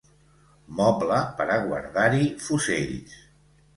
Moble per a guardar-hi fusells.